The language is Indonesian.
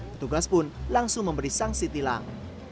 petugas pun langsung memberi sanksi tilang